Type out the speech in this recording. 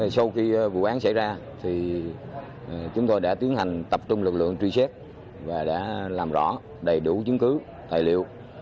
sau khi vụ án xảy ra chúng tôi đã tiến hành tập trung lực lượng truy xét và đã làm rõ đầy đủ chứng cứ tài liệu